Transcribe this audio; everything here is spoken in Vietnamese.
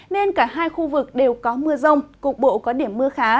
nên cả hai khu vực đều có mưa rông cục bộ có điểm mưa khá